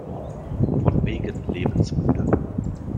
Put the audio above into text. Von wegen lebensmüde!